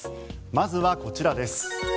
まずはこちらです。